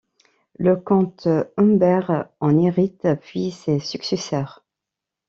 Le comte Humbert en hérite, puis ses successeurs.